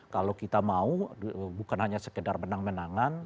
kalau kita mau bukan hanya sekedar menang menangan